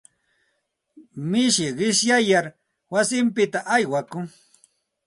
Mishi qishyayar wasinpita aywakun.